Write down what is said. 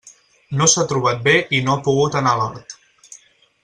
No s'ha trobat bé i no ha pogut anar a l'hort.